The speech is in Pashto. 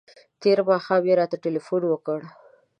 تېر ماښام یې راته تلیفون وکړ.